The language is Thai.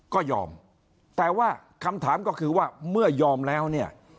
ก็ยอมแต่ว่าคำถามก็คือว่าเมื่อยอมแล้วเนี่ย